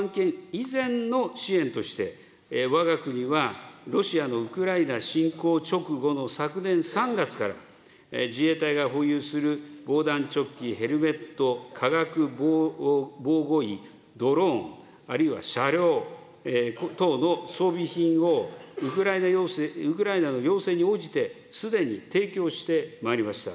以前の支援として、わが国はロシアのウクライナ侵攻直後の昨年３月から、自衛隊が保有する防弾チョッキ、ヘルメット、かがく防護衣、ドローン、あるいは車両等の装備品をウクライナの要請に応じて、すでに提供してまいりました。